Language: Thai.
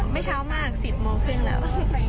ไม่เช้ามาก๑๐โมงครึ่งแล้ว